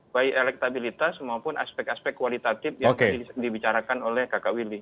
baik elektabilitas maupun aspek aspek kualitatif yang tadi dibicarakan oleh kakak willy